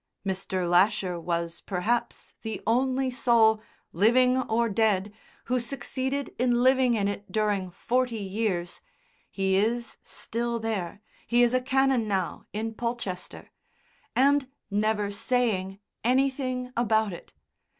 Mr. Lasher was perhaps the only soul, living or dead, who succeeded in living in it during forty years (he is still there, he is a Canon now in Polchester) and never saying anything about it.